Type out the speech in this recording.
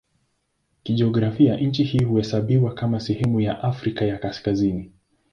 Kijiografia nchi hii huhesabiwa kama sehemu ya Afrika ya Kaskazini.